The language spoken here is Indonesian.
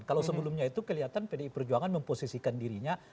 kalau sebelumnya itu kelihatan pdi perjuangan memposisikan dirinya